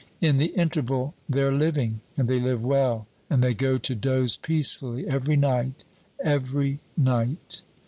In the interval, they're living, and they live well, and they go to doze peacefully every night, every night!"